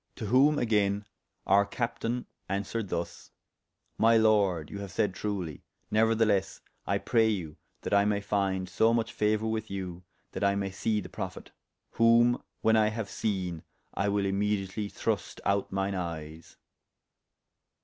To whom agayne our captayne aunswered thus: My Lord, you have sayde truly; neuertheless I pray you that I may fynd so much fauour with you, that I may see the Prophet; whom when I haue seene, I will immediately thrust out myne eyes.